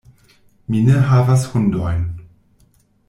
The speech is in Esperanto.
Mi ne havas hundojn.